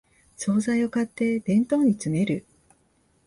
総菜を買って弁当に詰める